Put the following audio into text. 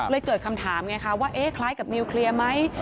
เกิดคำถามไงคะว่าเอ๊ะคล้ายกับนิวเคลียร์ไหม